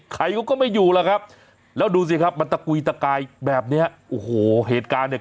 เขาก็ไม่อยู่แล้วครับแล้วดูสิครับมันตะกุยตะกายแบบเนี้ยโอ้โหเหตุการณ์เนี่ย